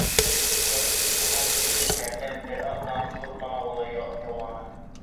Шулай итеп, Танау исемле кәрлә бер аҙҙан ҙур танылыу яуланы.